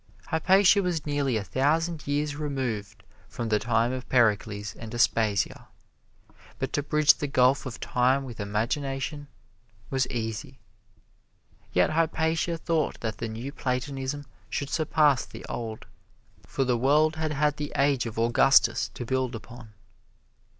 Hypatia was nearly a thousand years removed from the time of Pericles and Aspasia, but to bridge the gulf of time with imagination was easy. Yet Hypatia thought that the New Platonism should surpass the old, for the world had had the Age of Augustus to build upon.